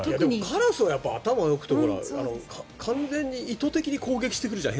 カラスは頭がよくて意図的に攻撃してくるじゃない。